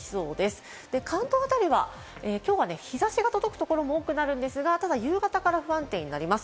特に関東辺りは、きょうは日差しが届くところも多くなるんですが、夕方から不安定になります。